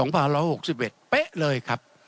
เป๊ะเลยครับ